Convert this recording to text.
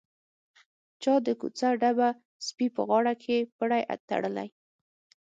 چا د کوڅه ډبه سپي په غاړه کښې پړى تړلى.